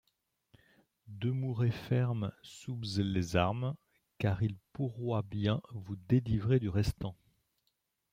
Demourez ferme soubz les armes, car il pourroyt bien vous deslivrer du restant.